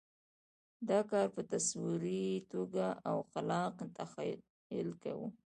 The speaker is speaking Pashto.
دا کار په تصوري توګه او خلاق تخیل کوو.